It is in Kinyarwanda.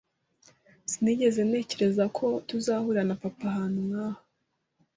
Sinigeze ntekereza ko tuzahurira na papa ahantu nkaha.